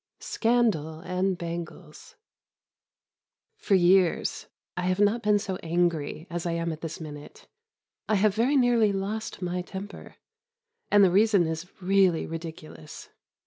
XXX SCANDAL AND BANGLES For years I have not been so angry as I am at this minute; I have very nearly lost my temper, and the reason is really ridiculous.